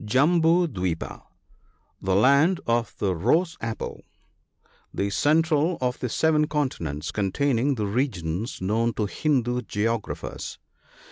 ( 7 6.) Jambu dwipa. — "The land of the rose apple" — the central of the seven continents, containing the regions known to Hindoo geographers.